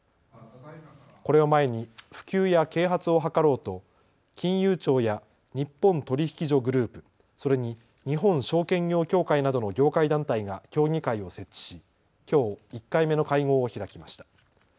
これを前に普及や啓発を図ろうと金融庁や日本取引所グループ、それに日本証券業協会などの業界団体が協議会を設置しきょう１回目の会合を開きました。